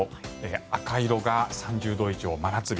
赤色が３０度以上、真夏日。